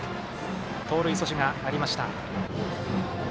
盗塁阻止がありました。